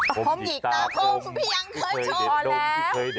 ผมหยิกตาผมพี่ยังเคยชม